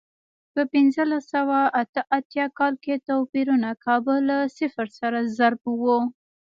په پنځلس سوه اته اتیا کال کې توپیرونه کابو له صفر سره ضرب و.